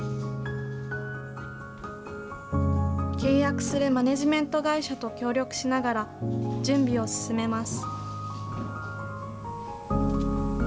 契約するマネジメント会社と協力しながら、準備を進めます。